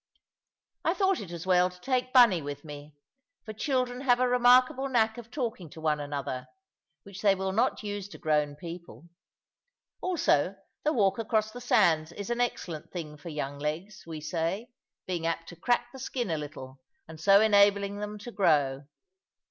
I thought it as well to take Bunny with me, for children have a remarkable knack of talking to one another, which they will not use to grown people; also the walk across the sands is an excellent thing for young legs, we say, being apt to crack the skin a little, and so enabling them to grow.